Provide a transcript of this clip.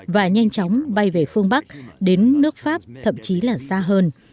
và nhanh chóng bay về phương bắc đến nước pháp thậm chí là xa hơn